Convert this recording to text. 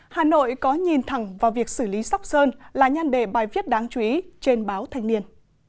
hà nội có nhìn thẳng vào việc xử lý sóc sơn là nhan đề bài viết đáng chú ý trên báo thanh niên